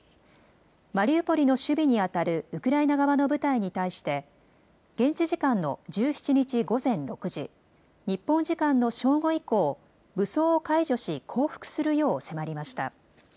マリウポリの守備にあたるウクライナ側の部隊に対して現地時間の１７日午前６時、日本時間の正午以降、武装を解除し降伏するよう迫りました。